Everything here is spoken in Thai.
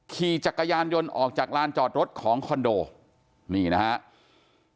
ขี่จักรยานยนต์ออกจากลานจอดรถของคอนโดนี่นะครับ